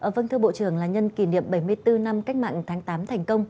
vâng thưa bộ trưởng là nhân kỷ niệm bảy mươi bốn năm cách mạng tháng tám thành công